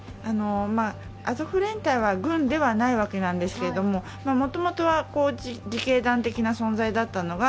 アゾフ連隊は軍ではないわけなんですけどもともとは自警団的な存在だったのが、